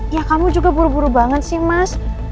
ya kamu juga buru buru banget sih mas